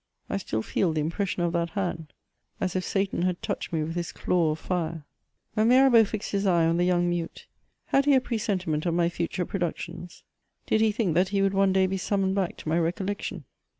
'' I still feel the impression of that hand, as if Satan had touched me with his daw of fire. When Mirabeau fixed his eve on the young mute, had he a presentiment of my future productions ? Did he think that he would one day be summoned back to my recollection